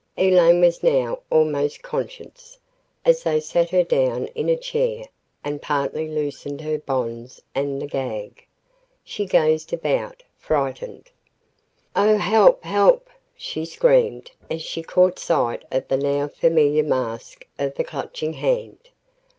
Elaine was now almost conscious, as they sat her down in a chair and partly loosed her bonds and the gag. She gazed about, frightened. "Oh help! help!" she screamed as she caught sight of the now familiar mask of the Clutching Hand.